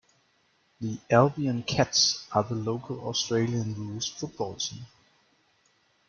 The "Albion Cats" are the local Australian rules football team.